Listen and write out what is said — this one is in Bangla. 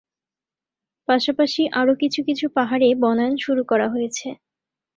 পাশাপাশি আরো কিছু কিছু পাহাড়ে বনায়ন শুরু করা হয়েছে।